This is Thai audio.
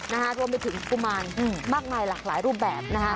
นะฮะรวมไปถึงฝุ่งมานอืมมากมายหลากหลายรูปแบบนะฮะ